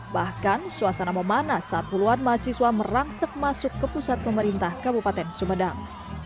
bahkan suasana memanas saat puluhan mahasiswa merangsek masuk ke pusat pemerintah kabupaten sumedang